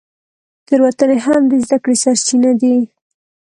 تېروتنې هم د زده کړې سرچینه دي.